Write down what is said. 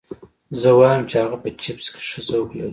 زه وایم چې هغه په چپس کې ښه ذوق لري